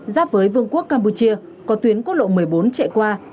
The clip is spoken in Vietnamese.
giáp với vương quốc campuchia có tuyến quốc lộ một mươi bốn chạy qua